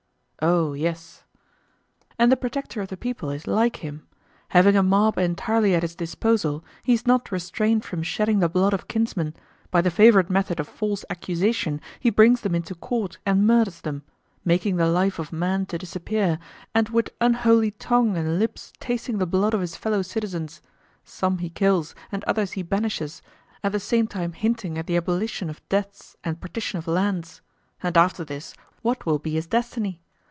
Oh, yes. And the protector of the people is like him; having a mob entirely at his disposal, he is not restrained from shedding the blood of kinsmen; by the favourite method of false accusation he brings them into court and murders them, making the life of man to disappear, and with unholy tongue and lips tasting the blood of his fellow citizens; some he kills and others he banishes, at the same time hinting at the abolition of debts and partition of lands: and after this, what will be his destiny?